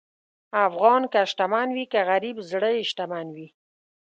افغان که شتمن وي که غریب، زړه یې شتمن وي.